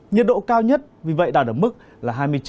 nhiệt độ cao nhất vì vậy đạt được mức là